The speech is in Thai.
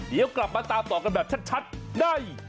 เดี๋ยวกลับมาตามต่อกันแบบชัดได้